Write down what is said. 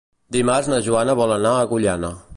Dimarts na Joana vol anar a Agullana.